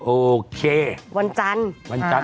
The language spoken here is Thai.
โอเควันจันทร์